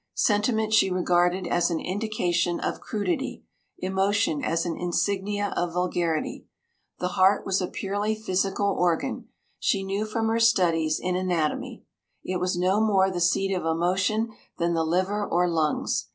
Sentiment she regarded as an indication of crudity, emotion as an insignia of vulgarity. The heart was a purely physical organ, she knew from her studies in anatomy. It was no more the seat of emotion than the liver or lungs.